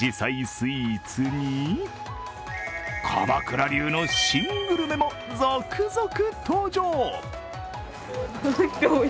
スイーツに鎌倉流の新グルメも続々登場。